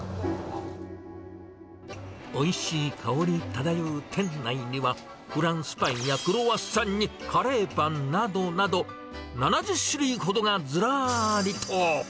おいしい香り漂う店内には、フランスパンやクロワッサンにカレーパンなどなど、７０種類ほどがずらーりと。